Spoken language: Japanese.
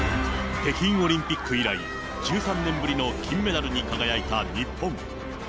北京オリンピック以来、１３年ぶりの金メダルに輝いた日本。